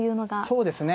そうですね。